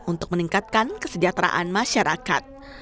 untuk meningkatkan kesejahteraan masyarakat